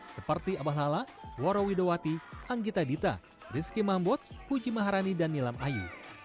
seperti abah lala woro widowati anggita dita rizky mambot puji maharani dan nilam ayu